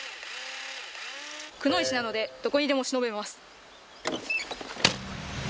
くノ一なのでどこにでも忍べます。